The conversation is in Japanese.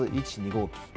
１、２号機。